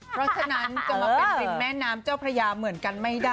เพราะฉะนั้นจะมาเป็นริมแม่น้ำเจ้าพระยาเหมือนกันไม่ได้